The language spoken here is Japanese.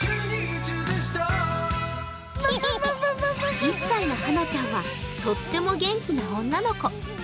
１歳のはなちゃんはとっても元気な女の子。